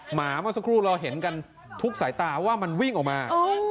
หมาเมื่อสักครู่เราเห็นกันทุกสายตาว่ามันวิ่งออกมา